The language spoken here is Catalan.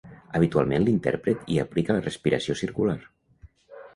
Habitualment l'intèrpret hi aplica la respiració circular.